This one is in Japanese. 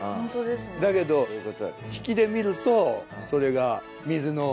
だけど引きで見るとそれが水のきらめき。